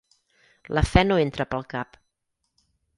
La fe no entra pel cap.